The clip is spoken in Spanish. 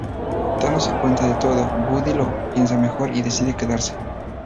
Dándose cuenta de todo Woody lo piensa mejor y decide quedarse.